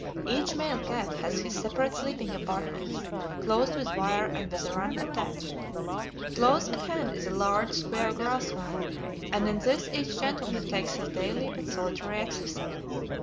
Each male cat has his separate sleeping apartments, closed with wire and with a 'run' attached. Close at hand is a large, square grass 'run,' and in this each gentleman takes his daily but solitary exercise.